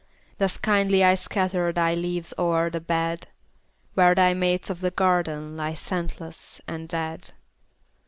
Thus kindly I scatter Thy leaves o'er the bed, Where thy mates of the garden Lie scentless and dead.